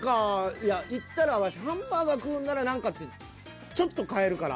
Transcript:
いや行ったらワシハンバーガー食うんなら何かってちょっと変えるから。